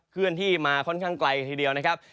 เคลื่อนที่มาค่อนข้างไกลทีเดียวนะครับ